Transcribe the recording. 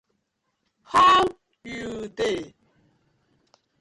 How yu dey?